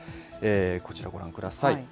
こちらご覧ください。